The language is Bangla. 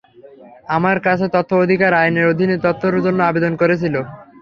আমার কাছে তথ্য অধিকার আইনের অধীনে তথ্যের জন্য অবেদন করেছিল।